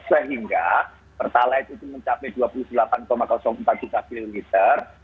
sehingga pertalite itu mencapai dua puluh delapan empat juta kiloliter